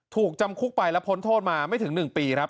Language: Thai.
ถูกจำคุกไปแล้วพ้นโทษมาไม่ถึง๑ปีครับ